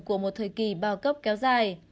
của một thời kỳ bao cấp kéo dài